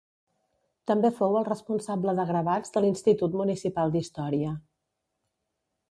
També fou el responsable de gravats de l'Institut Municipal d'Història.